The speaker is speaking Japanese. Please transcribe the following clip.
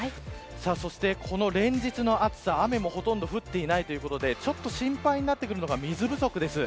そして、この連日の暑さ雨もほとんど降っていないということで心配なのが水不足です。